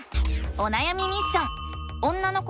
おなやみミッション！